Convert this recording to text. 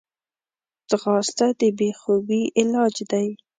ځغاسته د بېخوبي علاج دی